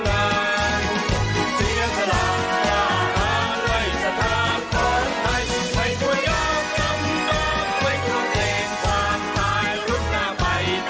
ไว้เพิ่งเหล็กความตายรุ่นนาไปตามฟักหนัก